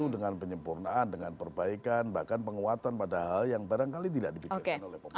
dengan penyempurnaan dengan perbaikan bahkan penguatan padahal yang barangkali tidak dipikirkan oleh pemerintah